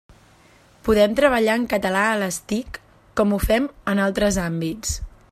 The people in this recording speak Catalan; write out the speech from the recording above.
Podem treballar en català a les TIC, com ho fem en altres àmbits.